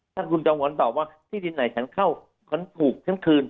ท่านคุณจองหวนตอบว่าที่ดินไหนฉันเข้าฉันถูกฉันคืน